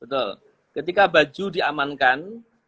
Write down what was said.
betul ketika baju diamankan